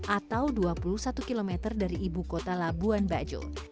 atau dua puluh satu km dari ibu kota labuan bajo